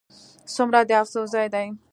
ځومره د افسوس ځاي دي